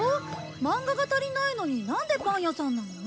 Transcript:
漫画が足りないのになんでパン屋さんなの？